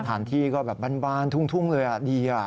สถานที่ก็แบบบานทุ่งเลยอ่ะดีอ่ะ